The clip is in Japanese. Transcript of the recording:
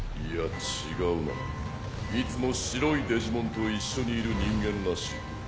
いつも白いデジモンと一緒にいる人間らしい。